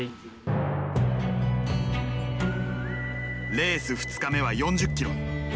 レース２日目は４０ｋｍ。